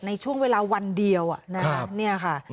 ในช่วงเวลาวันเดียวนะคะเนี่ยค่ะ